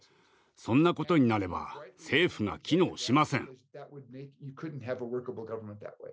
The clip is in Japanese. そんなことになれば政府が機能しません。